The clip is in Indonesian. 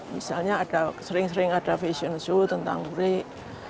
misalnya sering sering ada fashion show tentang lurik